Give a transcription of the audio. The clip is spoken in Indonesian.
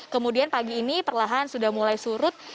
kemudian pagi ini perlahan sudah mulai surut